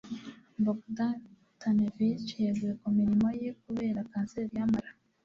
Bogdan Tanevich yeguye ku mirimo ye kubera kanseri y'amara.